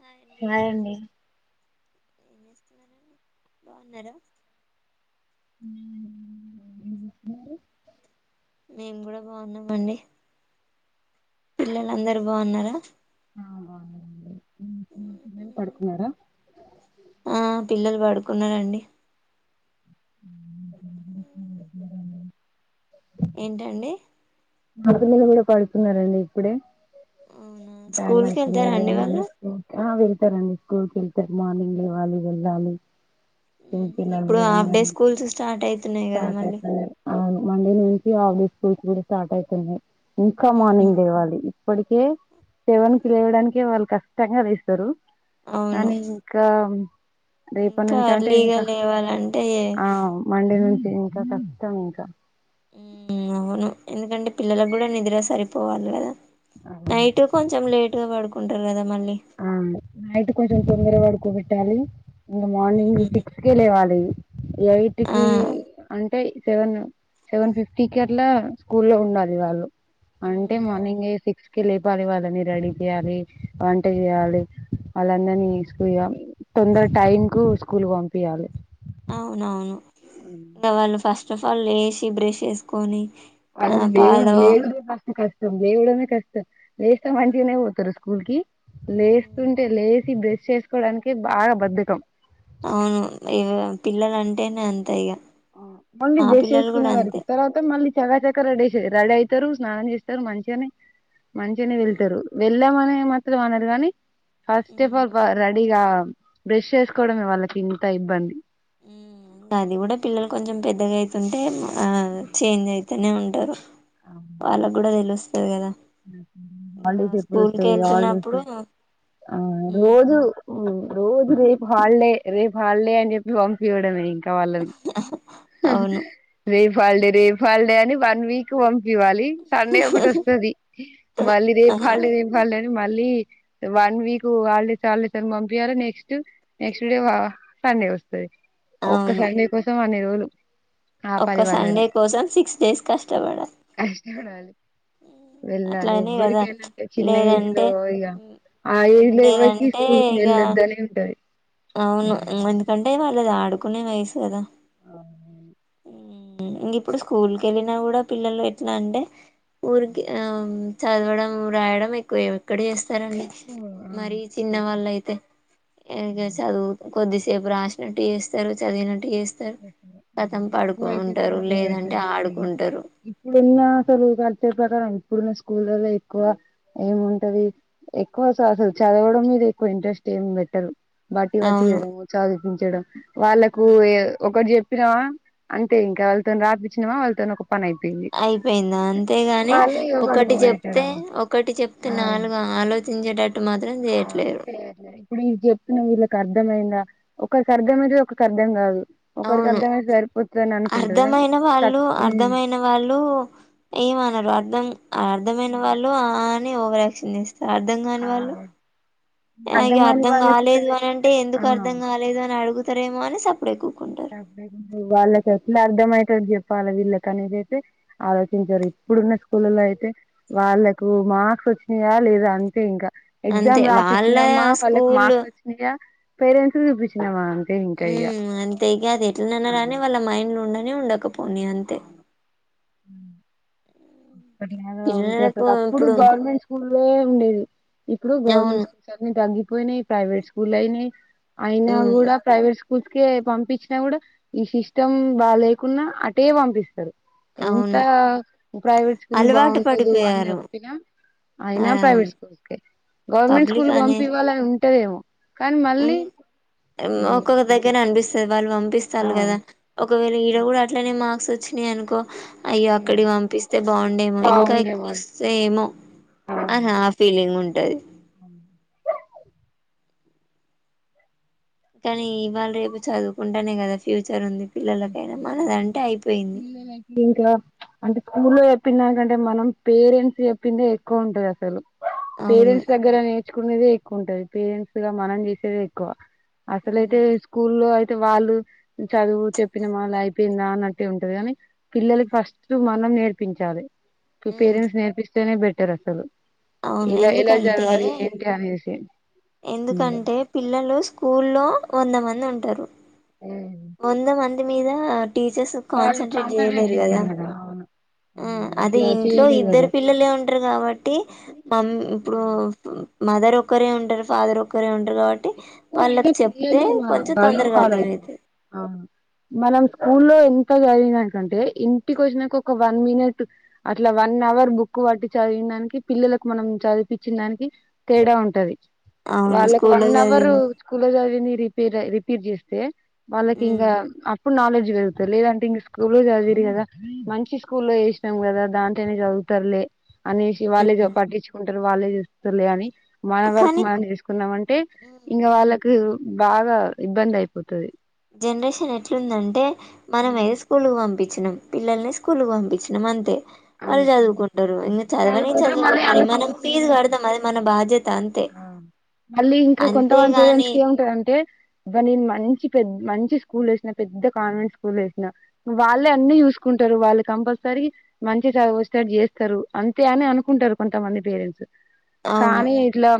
ఆ హాయ్ అండి ఏంస్తున్నారండి బాగున్నారుా హు మేము కూడా బాగున్నాం అండి పిల్లలు అందరు బాగున్నారా ఉ ఎం పడుకున్నారా ఆ పిల్లలు పడుకున్నారండి ఏంటండి మా పిల్లలు కూడా పడుతున్నారండి ఇప్పుడే అవునా టైమ్ స్కూల్కి అయితుంది కదా వెళ్తారండి మళ్ళీ వాళ్ళు స్కూల్ అ వెల్ తారండి స్కూల్కి వెళ్తేారు మార్నింగ్ లేవ్వాలి వెళ్ళాలి స్కూల్ కి మ్ వెళ్ళాలి ఇప్పుడు కదా ఇంగ హాఫ్ డే స్కూల్స్ స్టార్ట్ అయి స్టార్ట్ అయితలెవ్ అవును మండే నుంచి ఆఫ్ డే స్కూల్స్ కూడా స్టార్ట్ అవుతున్నాయి ఇంకా ఉమ్, మార్నింగ్ లేవ్వాలి ఇప్పటికే సేవన్కి లేయడానికే వాళ్ళు కష్టంగా లేస్తారు అవును కానీ ఇంకా రేపటి ఇంకా నుంచి అంటే అర్లీగా ఇంకా లేవాలంటే ఆ మండె నుం ఇంకా కష్టం ఇంకా హ అవును ఎందుకంటే పిల్లలకు కూడా నిధులో సరిపోవాలి కదా అవును నైట్ కొంచెం లేట్ గా పడు ఉంటారు కదా మళ్ళీ ఆ నయిట్ కొంచెం ఉమ్, తొందర పడుకో ఇటాలీ ఇ మార్నింగ్ ఉమ్, సిక్స్క లేవాలి ఎయిటికి ఆ అంటే సెవెన్ సెవెన్ ఫిఫ్టీ క అట్లా స్కూల్ లో ఉండాలి వాళ్ళు అంటే ఉమ్ అవును మార్నింగ్ సిక్స్ లేపాలి వాళ్ళని రెడీ చేయాలి ట్ట చేయాలి వాళ్ళందరినీక తొందర టైం కు స్కూల్ కు పంపించాలి అవునవును దవాలు ఫస్ట్ ఫస్ట్ ఆఫ్ ఆల్ లేసి బ్రష్ చేసుకొని అ ఆ లేే పాలు లే మ కస్త ష్టం లేేవడమే కష్టం లేస్తా మంచిగానే పోతారు స్కూల్ కి లేస్తుంటే లేచ బ్రష్ చేసుకోవడానికే బాగా బద్ధకం అవును ఇ పిల్లలు అంటేనే అంతా ఇక ఓన్లీ మా బ్రష్ పిల్లలు వేసుకునే కూడా వారికి అంతే తర్వాత మళ్ళీ చకా చక్క రెడీారు రెడీ అవుతారు స్నానం చేస్తారు మంచిగాని మంచినే వెళ్తారు వెళ్ళామని మాత్రం అనదు కానీ ఫస్ట్ ఆఫ్ ఉమ్, ఆల్ రెడీగా బ్రష్ చేసుకోవడమే వాళ్ళకి ఇంత ఇబ్బంది హ్మ్మ్ అది కూడా పిల్లలు కొంచెం పెద్దగా అయితుంటే ఆ చేంజ్ అయి తనే ఉంట వాల కూడాడదల్ వస్త వగరా హాలిడేస్ ఎప్పుడు వస్తాయి హల్డీస్ వెళ్తున్నప్పుడు ఆ ఉమ్, రోజు రోజు రేపు హాలల్డే రేపు హాలల్డే అని చెప్పి పంపి ఇవ్వడమే కావాల అవును రే ఫల్డే రే ఫాల్డే అని వన్ వీక్ వం దివాళి సండే ఒకటి వస్తుంది మళ్లీ ఆ, రేపు హాలిడే రేపు మళ్లీ మళ్ళీ వన్ వీక్ హాలిడేస్ హాలిడేస్ అని పంపిచాలి నెక్స్ట్ నెక్స్ట్ డే సండే వస్తు ఒక సండే కోసం [unintelligible] అవును ఒక సండే కోసం సిక్స్ డేస్ కష్టపడాలి. కష్టపడాలి వెళ్ళాలి అట్లనే కదా ఎవరికైనంతే చిన్న ఏజ్ లేదంటే లో ఇగ ఆ మ్మ్ ఏజ్ లో ఎవరికి లేదంటే స్కూల్కి ఇక వెళ్ళొద్దనే ఉంటది. అవును ఎందుకంటే వాళ్ళది ఆడ కునే వయసు కదా ఇంగ ఇప్పుడు స్కూల్ కెళ్ళినా కూడా పిల్లలు ఎట్లా అంటే ఊరికి ఆ చదవడం రాయడం ఎక్కువే ఇక్కడే ఏస్తారండి ఎక్కువ మరీ చిన్న అవును వాళ్ళయితే కొద్దిసేపు రాసినట్టు చేస్తారు చదివినట్టు చేస్తారు కతం ఎక్కువ అయితే పడుకుంటారు లేదంటే పడుకోబెట్టడం [unintelligible] ఆడుకుంటారు ఇప్పుడున్న [unintelligible] [unintelligible] ప్రకారం ఇప్పుడున్న స్కూళ్లలో ఎక్కువ ఏముంటది ఎక్కువస అసలు చదవడం మీద ఎక్కువ ఇంట్రెస్ట్ ఏం పెట్టరు. బట్టి అవును బట్టీయడం చదిపించడం వాళ్ళలకు ఏ ఒకటి చెప్పినావా అంతే ఇంకా వాళ్ళతో రాపిచ్చినా వాళ్ళతో ఒక పని అయిపోయింది. అయిపోయింది అంతేగాని వాళ్ళు ఇగ ఒకటి చెప్తే పడుకోబెట్టడం ఒకటి చెప్తే ఆ నాలుగు ఆలో చించే టట్టు మాత్రం చేయట్లేరు నేన్ చెప్పిన వీళ్ళకి అర్థమైందా ఒకరికి అర్థం అయితే ఒకరికి అర్థం కాదు ఒకరికి అవును అర్థమైతే సరిపోతదని అనుకుంటరు కానీ అర్ధమైన తక్ వాళ్ళు హ్మ్ అర్ధమైన వాళ్ళు ఏమనరు అర్ధం అర్ధమైన వాళ్ళు ఆ అని ఓవరాక్షన్ చెస్ అర్థం కాని ఆ వాళ్ళు ఇగ అర్థం కాని అర్ధం వాళ్ళకు కాలేదు సరే అనంటే ఎందుకు ఆ అర్ధం కాలేదు అని అడుగుతరేమో అని సప్ బ్రేక్ కు వాళ్ళకి ఎట్లా అర్థమయ్యేటట్టు చెప్పాలి. వీళ్ళకి అనేది అయితే ఆలోచించరు ఇప్పుడున్న స్కూల్లల్లో అయితే వాళ్ళలకు మార్క్స్ వచ్చినాయా లేదా అంతే ఇంక అంతే ఎగ్జామ్ వాళ్ళ రాపిచ్చినమా వాళ్ళకి స్కూల్ మార్క్స్ ఒచ్చినాయా పేరెంట్స్ కు చూపిచ్చినవా ఉమ్ అంతే ఇది గాదు ఎట్లనన్న రానీ వాళ్ళ మైండ్లున్న ఉండపొ కొన్ని అంతే మ్ కొన్ని నెలల ఉంటే పిల్లలకు అసలు అప్పుడు ఇప్పుడు గవర్నమెంట్ స్కూల్. లే ఉండేది ఇప్పుడు గవర్నమెంట్ అవును స్కూల్స్ అన్ని తగ్గి పొయినై ప్రైవేట్ స్కూల్ అయినై అయినా ఉమ్, గూడా ప్రైవేట్ స్ స్కూస్కె పంపిచ్చి నా గూడా ఈ సిస్టమ్ బా లేకున్నా అట్ టే పంపిస్తరు ఎంత అవును ప్రైవేట్ స్కూల్ అలవాటు బాగుండదు అని పడిపోయారు చెప్పినా ఆ అయినా ప్రైవేట్ స్కూల్ కే గవర్నమెంట్ స్కూల్ కు పంపివ్వాల ట్టే మో ఉమ్ ఒక్కొక్క దగ్గర అపిస్తు వాళ్ళు ఆ పంపిస్తాళ్ళు గదా ఒకవేళ ఈడ కూడా అట్లనే మార్క్స్ వచ్చినయి అనుకో అయ్యో అక్కడికి పంపిస్తే బాగుండేమో ఇంకా ఎక్కువ బాగుండేమో వస్తే ఏమో అని ఆ ఫీలింగ్ ఉండ్ టది [inaudible] కనీ ఇవాళ రేపు చదువుకుంటనే గదా ఫ్యూచర్ ఉంది పిల్లలకైనా మనదంటే అయిపోయింది పిల్లలకి ఇంకా అంటే స్కూల్లో చెప్పినందానికంటే మనం పేరెంట్స్ చెప్పిందే ఎక్కువ ఉంటది అసలు అవును పేరెంట్స్ దగ్గర నేర్చు తీకునేదే ఎక్కువ ఉంటది పేరెంట్స్ గా మనం చేసేదే ఎక్కువ అసలుయితే స్కూ లో అయిత్ వాళ్ళు చదువు చెప్ చెప్పినమా మల్లా అయిపోయిందా అన్నట్టే ఉంటది గని పిల్లలకి ఫస్ట్ మనం నేర్పించాలి మీ ఉమ్ పేరెంట్స్ నేర్పిస్తేనే బెట్ తెరసలు అవును ఎందుకంటే ఏంటి అనేసి ఎందుకంటే పిల్లలు స్కూల్లో వంద మంది ఉంటరు ఆ వొంద మంది మీద టీచర్స్ వాళ్ళు కాన్సన్ంట్రేట్ కాన్సన్ట్రేట్ జేయలేరు గదా చేయరు కదా అవును ఆ అదే అట్లా ఇంట్లో చేయలేదు ఇద్దరు కదా పిల్లలే ఉంటరు గాబట్టి మం ఇప్పుడు మదర్ ఒక్కరే ఉంటరు ఫాదర్ ఒక్కరే ఉం కాబట్టి సో అయినా వాళ్ళకి చెప్తే పిల్లలు కొంచెం వాళ్ళనే తొందరగా ఫాలో అర్థం అయి అయితది అవును మనం స్కూళ్లో ఇంత చదివిన దాని కంటే ఇంటికి వచ్చినాక ఒక వన్ మినిట్ అట్లా వన్ అవర్ బుక్ బట్టి చదివిన దానికి పిల్లలకు మనం చదిపించినా దానికి తేడా ఉంటది అవును వాళ్లే స్కూల్లో వన్ అవరూ చదివింది స్కూల్లో జచదివి మీ రిపీ రై రిపీర్ చేస్తే వాళ్ళకింగ మ్మ్ అప్పుడ్ నాలెడ్ డ్జ్ పెరుగుతలేదంటే ఇంగ స్కూల్లో చదివిర్రు కదా, మంచి స్కూల్లో వేసినాం కదా దాంట్లోనే చదువుతార్ లే. అనేసి వాల్లే జెప్ మ్మ్ పట్టించుకున్ స్తార్ వాళ్ళే చేస్తార్ లే అని మన వర్క్ కానీ మనం చేసుకుందాం అన్ టే ఇంగ వాళ్ళల్లకు బాగా ఇబ్బంది అయిపోతది జనరేషన్ ఎట్లుందంటే మనమే ఏ స్కూల్ పంపించినాం పిల్లలన్నీ స్కూల్ పంపించినం అంతే అ వాళ్ళు చదువుకుంటారు ఇంక చదవని చదువుకుంటరు మళ్ళీ చదవకపోని మనం అనుకుంటరు ఫీజు పేరెంట్సు, కడతాం అది మన బాధ్యత అంతే ఆ మళ్ళీ ఇంకా కొంతమంది అంతేగాని పేరెంట్సుకి ఏముంటదంటే దాని మంచి. పెద్ మంచి స్కూల్లో వేసినా పెద్ద కాన్వెంట్ స్కూల్లో వేసినా. వాళ్ళే అన్ని ఉమ్ చూసుకుంటారు వాలే కంపల్సరీ మంచిగా చదువస్తేట్టు జెస్తరు అంతే అని అనుకుంటరు కొంతమంది పేరెంట్సు అవును కానీ ఇట్లా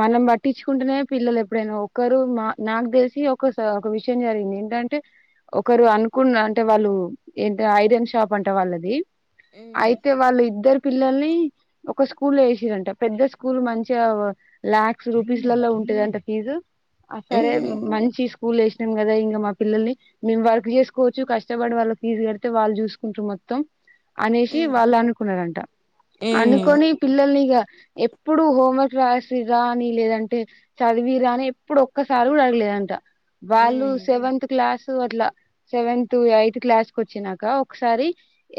మనం పట్టించుకుంటేనే పిల్లలు ఎప్పుడైనా ఒకరు మా నాక్ తెలిసి ఒకసా ఒక విషయం జరిగింది. ఏంటంటే ఒకరు అనుకున్న అంటే వాళ్ళు ఏంటీ ఐరన్ షాప్ అంట వాళ్ళది. ఉమ్ అయితె వాళ్ళిద్దర్ పిల్లల్ని ఒక స్కూల్ల ఏశిరంట పెద్ద స్కూల్ మంచిగా ల్యాక్స్ రూపీస్ లో ఉంటదంట ఫీజు. అ సరే ఉమ్ మంచిస్ స్కూల్ ఏశనం కదా ఇంకా మా పిల్లల్ని మేము వర్క్ చేసుకోవచ్చు, కష్టపడి వాళ్ళ ఫీజు కడితే వాళ్ళు చూసుకుంటుర్ మొత్తం. అనేసి ఉమ్ వాళ్ళనుకున్నరంట ఉమ్ అనుకొని పిల్లల్నిగా ఎప్పుడు హోంవర్క్ రాసిర్రా అని లేదంటే, చదివిర్ర అని ఎప్పుడు ఒక్కసారి కూడా అడగలేదంట. వాళ్ళు ఉమ్ సెవెంత్ క్లాస్ తు అట్లా సెవెంత్ ఎయిట్ క్లాస్ కి ఒచ్చినాక ఒకసారి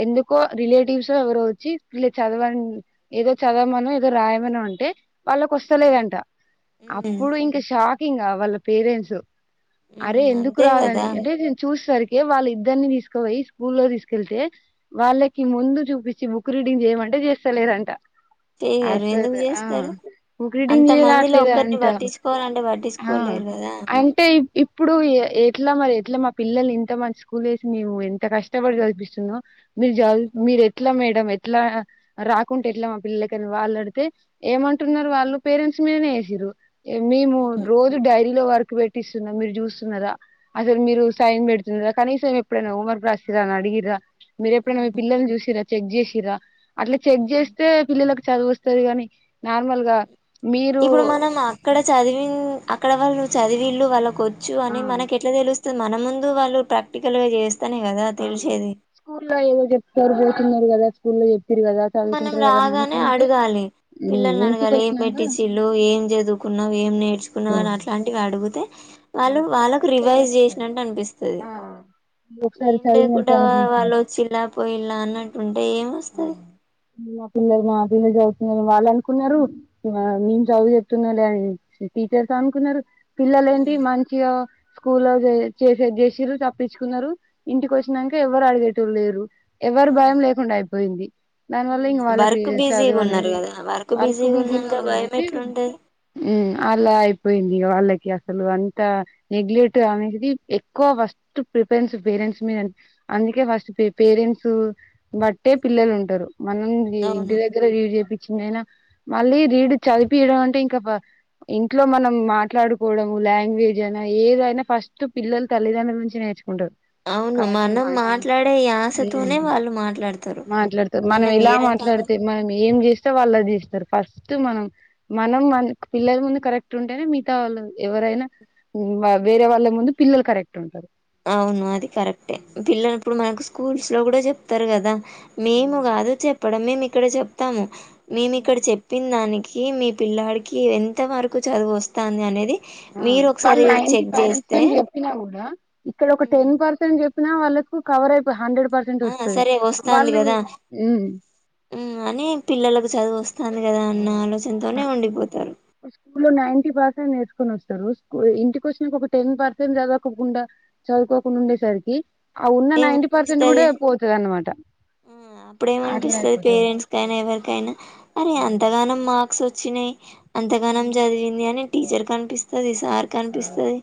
ఎందుక్ కొ రిలేటివ్స్ఒ ఎవరో వచ్చి వీళ్ళ చదవం ఏదో చదవమనో ఏదో రాయమనో అంటే వాళ్ళక్ ఉమ్ ఒస్తలేదంట ఉమ్ అప్పుడు ఇంక షాక్ ఇంగా వాళ్ళ పేరెంట్సు అరే ఉమ్ ఎందుకు అంతే రాదని కదా అంటే నేన్ చూసరి ఇగ వాళ్ళిద్దరిని తీసుకోవయి స్కూల్ లో తీస్ కెళ్తే వాళ్ళకి ముందు చూపించి బుక్ రీడింగ్ చేయమంటే చేస్తలేరంట చేయరు ఎందుకు అసలు ఆ. చేస్తరు బుక్ అంత రీడింగ్ మందిల ఒకరిని చేయరాట్లేదంట. పట్టించుకోవాలంటే ఆ పట్టించుకోలేరు కదా. అంటే ఇప్ ఇప్పుడు ఎట్ల మరి ఎట్ల మా పిల్లలు ఇంత మంచి స్కూల్ వేసి మేము ఎంత కష్టపడి చదివిపిస్తున్నాం. మీరు జద్ మీర్ ఎట్లా మేడం ఎ ఎట్లా రాకుంటే ఎట్లా మా పిల్లలకని వాళ్ళు అడిగితే ఏమంటున్నారు వాళ్ళు పేరెంట్స్ మీదనే వేసిర్రు ఇగ మేము హ్మ్. హ్మ్. రోజు డైరీలో వర్క్ పెట్టిస్తున్నా మీరు చూస్తున్న అసలు మీరు సైన్ పెడుతున్నరా కనీసం ఎప్పుడైనా హోంవర్క్ రాసిరా అని అడిగిర్ర మీర ఎప్పుడైన మీ హ్మ్. పిల్లల్ని చూసిర్ర చెక్ చేసిర్ర అట్లా చెక్ హ్మ్. చేస్తే పిల్లలకు చదువు వస్తాది కాని నార్మల్ గా మీరు ఇప్పుడు మనం అక్కడ చదివిన్ అక్కడ వాళ్ళు చదివీళ్లు వాళ్ళ కొ చ్చు అని ఆ మనకి ఎట్ల తెలుస్త్ స్తది మన ముందు వాళ్ళు ప్రాక్టికల్ గా చేస్ ఆ మ స్కూల్లో ఏం చెప్తారు న్నరు కదా స్కూల్ల మనం రాగానే అడగాలి పిల్లల్ని ఇంటికి అడగాలి ఏం వచ్చినాక పెట్టి చీల్లు ఏం చదువ్ కున్నావ్ ఏం నేర్చుకున్నవని అట్లాంటివి అడుగుతే వాళ్ళు వాళ్ళకు రివైజ్ చేసినట్టు అనిపిస్తది ఒకసారి ఏం చదివినట్టు లేకుటా వాళ్ళు అనిపించింది వచ్చిల్ల పోయిల్లా అన్నట్టుంటే ఏం వస్తది మా పిల్లలు మా పిల్లలు చదువుతున్నారని వాళ్ళు అనుకున్నారు మేము చదువు చెప్తున్నాం లే అని టీచర్స్ అనుకున్నరు పిల్లలు ఏంటి మంచిగా స్కూల్లో చేే చేసిరు తప్పించుకున్నరు ఇంటికి ఒచ్చినంక ఎవ్వరు అడిగేటోళ్ళు లేరు ఎవరు భయం అవును లేకుండాయ్ పోయింది దాని వల్ల ఇంగ వాళ్ళకు వర్క్ బిజీగా చదువ్ ఉన్నారు అనేది కదా వర్క్ బిజీగా బిజీలో ఉన్నాక భయం ఉండేసి ఎట్లుంటది అలా హు అయిపోయిం ఇగ వాళ్ళకి అసలు అంత నెగ్లెక్ట్ అనేది ఎక్కువ ఫస్ట్ ప్రిపరెన్స్ పేరెంట్స్ మీద అందుకే ఫస్ట్ పేరెంట్స్ బట్ ట్టే పిల్లలు ఉంటారు మనం యి ఇంటి అవును దగ్గర రిచేప్ చినా మళ్ళీ రీడ్ చదిపియడం అంటే ఇంకా ఫ ఇంట్లో మనం మాట్లాడుకోవడం లాంగ్వేజ్ అయినా ఏదైనా ఫస్ట్ పిల్లలు తల్లిదండ్రల నుంచి నేర్చు అవును మనం మాట్లాడే ఆశతోనే వాళ్ళు మాట్లాడ్ మాట్లాడుత మనం ఎలా మాట్లాడితే మనం ఏం చేస్తే వాళ్ళది చేస్తారు ఫస్ట్ మనం మనం మన పిల్లల ముందు కరెక్ట్ ఉంటేనే మిగతా వాళ్ళు ఎవరైనా వేరే వాళ్ళ ముందు పిల్లలు కరెక్ట్ ఉంటారు అవును అది కరెక్టే పిల్లలిప్పుడు మనకు స్కూల్స్ లో కూడా చెప్తారు కదా మేము కాదు చెప్ ప్పడమే మేము ఇక్కడ చెప్తాము నిను ఇక్కడ చెప్పిన దానికి కి మీ పిల్లాడికి ఎంత వరకు చదువు వస్థంది అనేది ఆ మీరు వాళ్ళ ఒకసారి నైన్ కి చెక్ పేరెంట్స్ చేస్తే తోని చెప్పినా కూడా ఇక్కడ ఒక "ఉమ్, టెన్ పర్సెంట్ చె వాళ్ళకు కవర్ అయిపోయి హండ్రెడ్ పర్సెంట్ ఆ వస్తది సరే వస్తాంది వాళ్ళు కదా అని పిల్లలకు చదువు వస్ వస్తాను కదా అన్న ఆలోచనతోనే ఉండిపోతారు స్కూ లో నై పర్సెంట్ నేర్చుకొని వస్తారు ఇంటికి వచ్చిన ఒక టెన్ పర్సెంట్ చదవకుండా చదువుకోకుండా ఉండేసరికి ఆ ఉన్న నైన్టీ పర్సెంట్ కూడా ఏమనిపిస్తది పోతది అన్నమాట అప్పుడ అట్లా ఏమనిపిస్తుది అయిపోతది పేరెంట్స్ కైనా ఎవరికైనా అరే ఎంతగానో మార్క్స్ వచ్చ చిన అంతగానం చదివింది అని టీచర్ కనిపిస్తుంది సార్ కనిపిస్తుది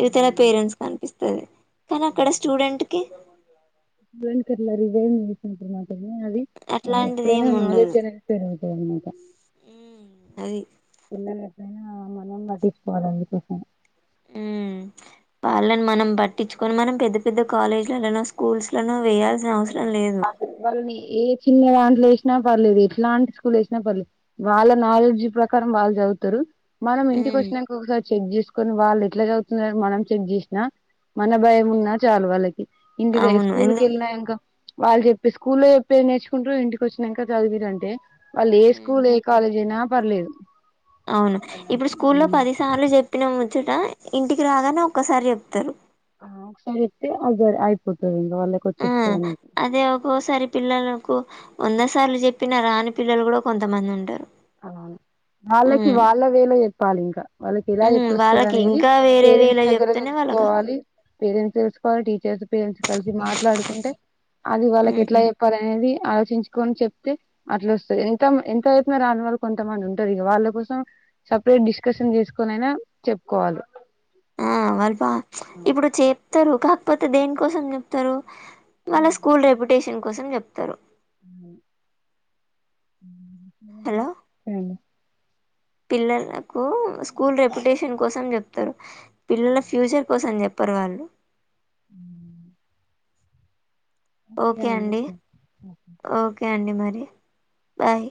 ఇవితల అవునండి పేరెంట్స్ కనిపిస్తుంది కానీ అక్కడ స్టూడెంట్ కి జ కర్లర్ ఇదే వంత మా చెనాలి అట్లాంటిది ఎప్పుడైనా ఏమి ఉండదు నాలెడ్జ్ అనేరుగు ఉ మాకా అది అ మనం పటించకోవాలికోసం ఉ పళని మనం పట్టించుకొని మనం పెద్ద పెద్ద కాలేజ్లలోనో స్కూల్స్ న అస వాళని ఏ చిన్న దాంట్లో వేసినా పర్లేదు ఎట్లాంటి స్కూల్ వేసినా పర్లేదు వాళ్ళ నాలెడ్జ్ ప్రకారం వాళ్ళు చదువుతారు మనం ఇంటికి మ్మ్ వచ్చినాక ఒకసారి చెక్ చేసుకో పోనీ వాళ్ళు ఎట్లా చదువుతున్నారు మనం చెక్ జేసినా మనం భయం ఉన్నా చాలు వాళ్ళకి ఇంటిద అవును స్కూల్ కి ఎందు వెళ్ళినా వాళ్ళు చెప్పే స్కూల్లో చెప్పే నేర్చుకుంట్రూ ఇంటికి వచ్చినాంకా చదివిదంటే వాళ్ళు ఏ స్కూల్ ఏ కాలేజైనా పర్లేదు అవును ఇప్పుడు స్కూల్లో పది సార్లు జెప్పినమ్ చట ఇంటికి రాగానే ఒక్కసారి జెప్తారు ఆ ఒకసారి జేప్తే అయి అయిపోతుంది ఇంకా వాళ్ళకి ఆ వచ్చేస్తది అదే ఒక్కోసారి పిల్లలకు వంద సార్లు జెప్పిన రాని పిల్లలు కుడా కొంతమంది ఉంటారు అవును వాళ్ళకి ఉమ్ వాళ్ళ వే లో జె ప్పాలింకా వాళ్ళకి ఎలా ఉమ్ జేప్తే వాళ్ళకి వస్తాదనేది ఇంకా వేరే పేరెంట్స్ వేలా దగ్గర చెప్తేనే వాళ్ళక తెలుసుకోవాలి పేరెట్స్ జూసుకోవాల్ టీచర్స్ పేరట్స్ కలిసి మాట్లాడుకుంటే అది వాళ్ళకి ఎట్లా ఉమ్ జెప్పాలనేది ఆలోచించుకొని చెప్తే అట్ల వస్తది ఇంకా ఎంత చేప్పిన రానోలు, కొంతమంది ఉంటారు ఇగ వాళ్ళ కోసం సపరేట్ డిస్కషన్ జెసుకొనైనా చెప్పుకోవాలి. ఆ వాల్పా ఇప్పుడు చే ప్తారు కాకపోతే దేనికోసం చేప్తారు. మళ్ళ స్కూల్ రేపు డే కోసం జెప్తారు. అ [inaudible] హ్మ్ పిల్లళ్లకు స్కూల్ రెపుటేషన్ కోసం జేప్తారు. పిల్లల ఫ్యూచర్ కోసం, పర్వాల్లే [inaudible] ఓకే అండి ఓకే అండి మ రి బాయ్.